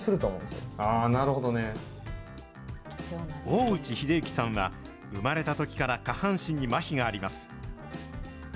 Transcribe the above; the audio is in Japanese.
大内秀之さんは、生まれたときから下半身にまひがあります。